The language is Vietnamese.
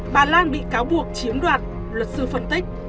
bà lan bị cáo buộc chiếm đoạt luật sư phân tích